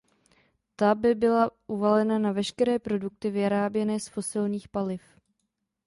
Ta by byla uvalena na veškeré produkty vyráběné z fosilních paliv.